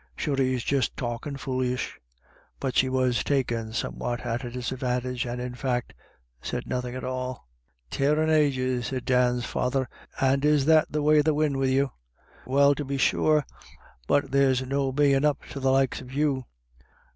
Sure he's just talkin* foolish." But she was taken somewhat at a disadvantage, and in fact said nothing at all. u Tare an ages !" said Dan's father, " and is that the way of the win' with you ? Well tubbe sure, THUNDER IN THE AIR. 201 but ther's no bein' up to the likes of you.